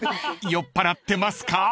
［酔っぱらってますか？］